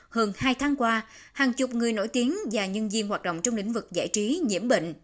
hơn hai tháng qua hàng chục người nổi tiếng và nhân viên hoạt động trong lĩnh vực giải trí nhiễm bệnh